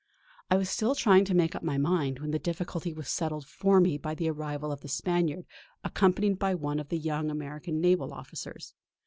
I was still trying to make up my mind when the difficulty was settled for me by the arrival of the Spaniard, accompanied by one of the young American naval officers.